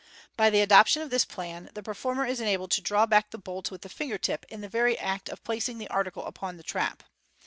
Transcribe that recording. By the adoption of this plan the performer is enabled to draw back the bolt with the finger tip in the very act of placing the article upon the trap.